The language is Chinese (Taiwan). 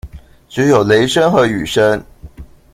只有雷聲和雨聲